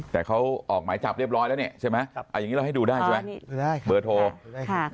แต่เขาออกหมายจับเรียบร้อยแล้วเนี่ยใช่ไหมอย่างนี้เราให้ดูได้ใช่ไหมเบอร์โทรใช่ค่ะ